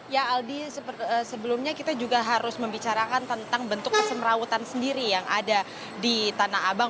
ya aldi sebelumnya kita juga harus membicarakan tentang bentuk kesemrawutan sendiri yang ada di tanah abang